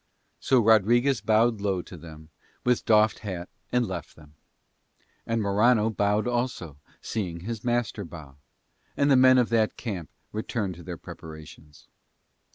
So Rodriguez bowed low to them with doffed hat and left them; and Morano bowed also, seeing his master bow; and the men of that camp returned to their preparations.